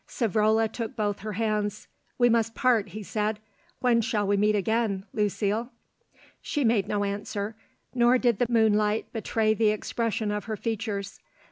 Savrola took both her hands. "We must part," he said; "when shall we meet again, Lucile?" She made no answer, nor did the moonlight betray the expression of her features.